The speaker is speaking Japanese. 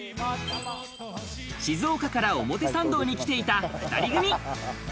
静岡から表参道に来ていた２人組。